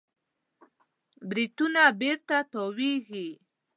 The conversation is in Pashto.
بریتونونه بېرته تاوېږي.